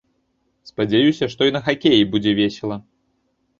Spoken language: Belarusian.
Спадзяюся, што і на хакеі будзе весела.